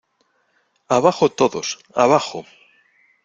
¡ abajo todos! ¡ abajo !